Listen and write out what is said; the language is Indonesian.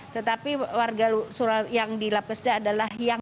tetapi warga yang di lap kesedah adalah yang